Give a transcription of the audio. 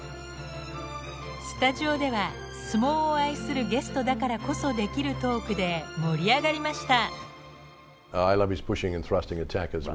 スタジオでは相撲を愛するゲストだからこそできるトークで盛り上がりました。